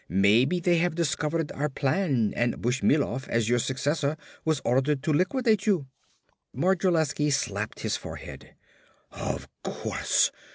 Maybe they have discovered our plan and Bushmilov, as your successor, was ordered to liquidate you!" Modrilensky slapped his forehead. "Of course!